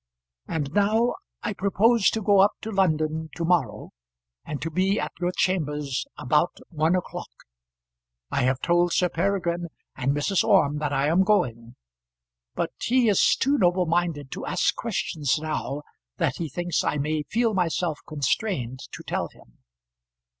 And now I propose to go up to London to morrow, and to be at your chambers about one o'clock. I have told Sir Peregrine and Mrs. Orme that I am going; but he is too noble minded to ask questions now that he thinks I may feel myself constrained to tell him.